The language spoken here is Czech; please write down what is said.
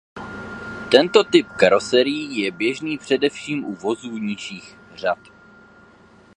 Tento typ karoserií je běžný především u vozů nižších tříd.